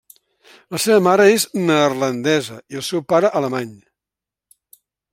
La seva mare és neerlandesa i el seu pare alemany.